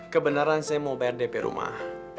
kebenaran saya mau bayar dp rumah